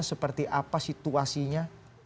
seperti apa situasinya